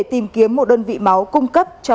tìm kiếm một đơn vị máu cung cấp cho